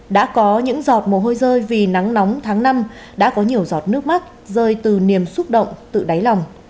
đã có những giọt mồ hôi rơi vì nắng nóng tháng năm đã có nhiều giọt nước mắt rơi từ niềm xúc động tự đáy lòng